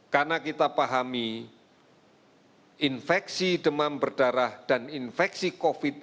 karena kita pahami infeksi demam berdarah dan infeksi covid sembilan belas